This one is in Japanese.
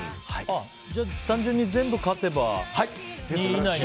じゃあ、単純に全部勝てば２位以内に入る？